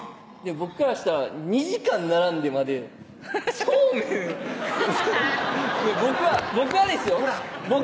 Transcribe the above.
僕からしたら２時間並んでまでそうめん僕は僕はですよコラ！